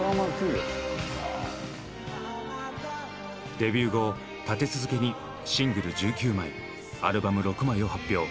デビュー後立て続けにシングル１９枚アルバム６枚を発表。